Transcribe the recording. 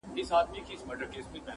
• څوک چي ددې دور ملګري او ياران ساتي,